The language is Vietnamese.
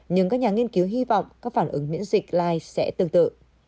nhưng các nhà nghiên cứu hy vọng các phản ứng miễn dịch line sẽ tương tự